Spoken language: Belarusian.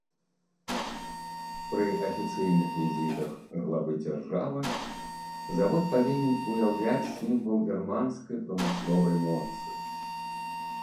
Пры афіцыйных візітах главы дзяржавы завод павінен уяўляць сімвал германскай прамысловай моцы.